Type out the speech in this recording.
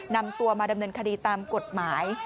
นำตัวมาดำเนินคดีตามกฎหมาย